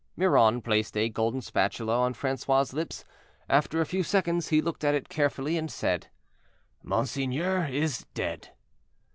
Miron placed a golden spatula on Francois' lips; after a few seconds, he looked at it carefully and said: "Monseigneur is dead."